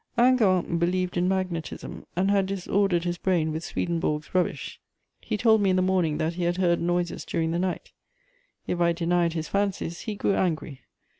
Hingant believed in magnetism, and had disordered his brain with Swedenborg's rubbish. He told me in the morning that he had heard noises during the night; if I denied his fancies he grew angry.